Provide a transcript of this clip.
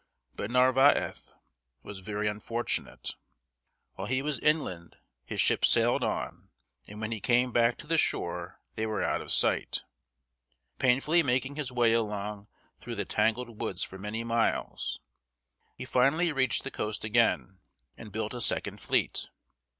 But Narvaez was very unfortunate. While he was inland his ships sailed on, and when he came back to the shore they were out of sight. Painfully making his way along through the tangled woods for many miles, he finally reached the coast again and built a second fleet.